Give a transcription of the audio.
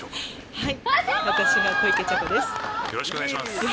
はい。